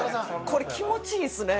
これ気持ちいいですね